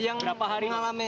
yang berapa harga